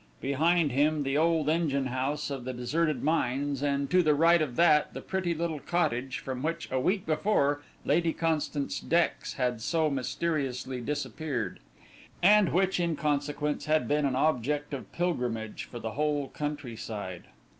Behind him the old engine house of the deserted mines, and to the right of that the pretty little cottage from which a week before Lady Constance Dex had so mysteriously disappeared, and which in consequence had been an object of pilgrimage for the whole countryside.